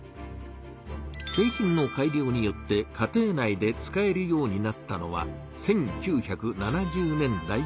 製品の改良によって家庭内で使えるようになったのは１９７０年代から。